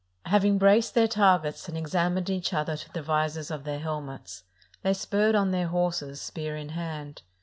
Having braced their targets and examined each other through the visors of their helmets, they spurred on their horses, spear in hand.